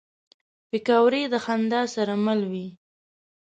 پکورې د خندا سره مل وي